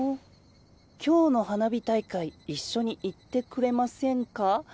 「今日の花火大会いっしょにいってくれませんか」